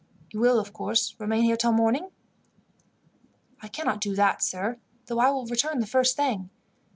You will, of course, remain here till morning?" "I cannot do that, sir, though I will return the first thing.